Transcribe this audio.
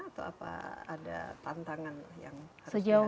atau apa ada tantangan yang harus dilakukan